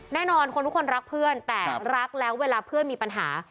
แน่นอนคนทุกคนรักเพื่อนแต่รักแล้วเวลาเพื่อนมีปัญหา